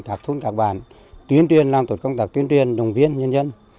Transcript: các thông tạc bản tuyên truyền làm tổ chức công tác tuyên truyền đồng viên nhân dân